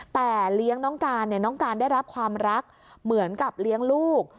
แต่เลี้ยงน้องการเนี่ยน้องการได้รับความรักเหมือนกับเลี้ยงลูก